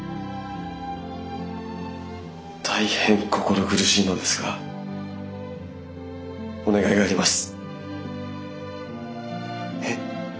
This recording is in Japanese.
大変心苦しいのですがお願いがあります。